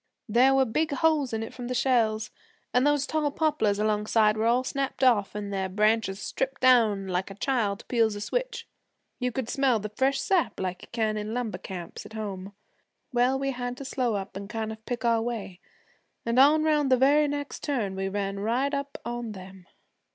There were big holes in it from the shells, an' those tall poplars alongside were all snapped off, an' their branches stripped down like a child peels a switch. You could smell the fresh sap like you can in lumber camps at home. Well, we had to slow up an' kind of pick our way, and on round the very next turn we ran right up on them.'